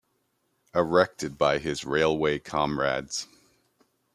Erected by his railway comrades.